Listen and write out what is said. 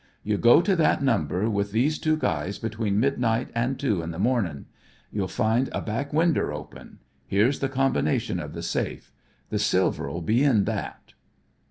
"You go to that number with these two guys between midnight an' two in the mornin'. You'll find a back winder open. Here's the combination of the safe. The silver'll be in that."